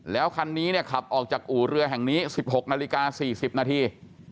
แล้วคันนี้เนี่ยขับออกจากอู่เรือแห่งนี้๑๖นาฬิกา๔๐นาที